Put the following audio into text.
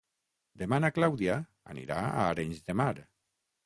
Demà na Clàudia anirà a Arenys de Mar.